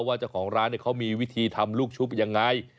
ว่าเจ้าของร้านเขามีวิธีทำลูกชุบยังไง